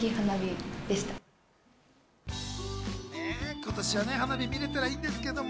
今年は花火見れたらいいんですけど。